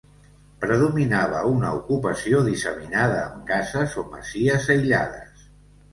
Predominava una ocupació disseminada amb cases o masies aïllades.